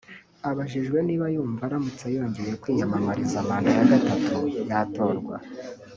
Abajijwe niba yumva aramutse yongeye kwiyamamariza manda ya gatatu yatorwa